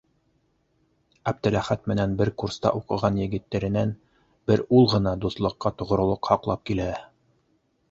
Әптеләхәт менән бер курста уҡыған егеттәренән бер ул ғына дуҫлыҡҡа тоғролоҡ һаҡлап килә.